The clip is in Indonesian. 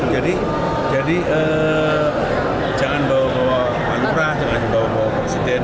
jadi jangan bawa bawa panggrah jangan bawa bawa presiden